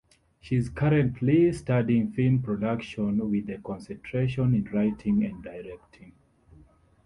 She is currently studying Film Production with a concentration in Writing and Directing.